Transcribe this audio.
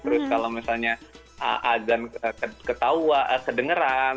terus kalau misalnya azan ketawa kedengeran